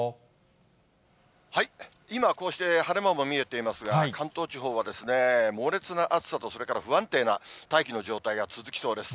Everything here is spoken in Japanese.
今、こうして晴れ間も見えていますが、関東地方は猛烈な暑さとそれから不安定な大気の状態が続きそうです。